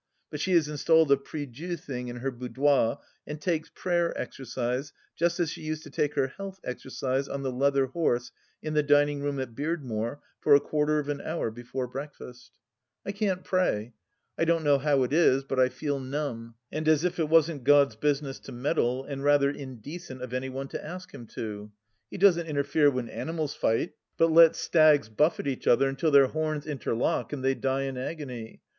But she has installed a prie Dieu thing in her boudoir, and takes Prayer Exercise just as she used to take her health exercise on the leather horse in the dining room at Beardmore for a quarter of an hour before breakfast. THE LAST DITCH 117 I can't pray. I don't know how it is, but I feel numb, and as if it wasn't Gtod's business to meddle, and rather indecent of any one to ask Him to. He doesn't interfere when animals fight, but lets stags buffet each other until their horns interlock and they die in agony.